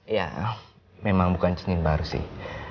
ya memang bukan senin baru sih